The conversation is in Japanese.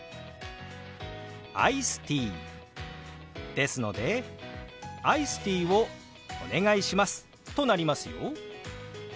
「アイスティー」ですので「アイスティーをお願いします」となりますよ。